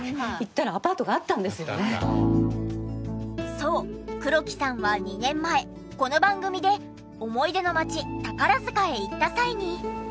そう黒木さんは２年前この番組で思い出の街宝塚へ行った際に。